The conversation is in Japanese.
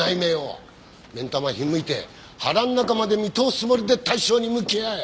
目ん玉ひん剥いて腹の中まで見通すつもりで対象に向き合え。